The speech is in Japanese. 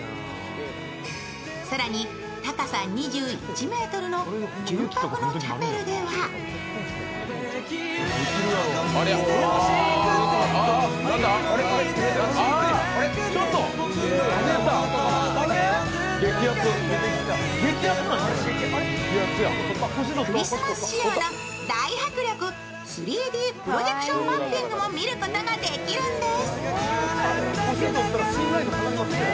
更に高さ２１ｍの純白のチャペルではクリスマス仕様の大迫力３Ｄプロジェクションマッピングも見ることができるんです。